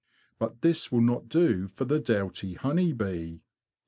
But this will not do for the doughty honey bee.